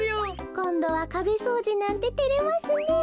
こんどはかべそうじなんててれますねえ。